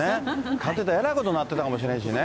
買ってたらえらいことになってたかもしれないしね。